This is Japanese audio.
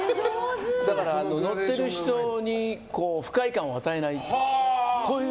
だから、乗ってる人に不快感を与えないという。